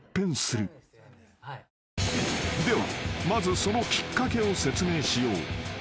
［ではまずそのきっかけを説明しよう］